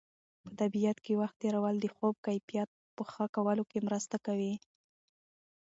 په طبیعت کې وخت تېرول د خوب کیفیت په ښه کولو کې مرسته کوي.